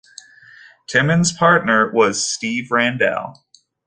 Timmins' partner was Steve Randell.